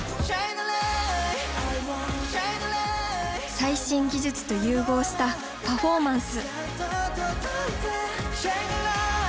最新技術と融合したパフォーマンス！